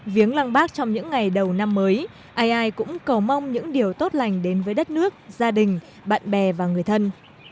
viếng lăng bác trong những ngày đầu năm mới ai ai cũng cầu mong những điều tốt lành đến với đất nước gia đình bạn bè và người thân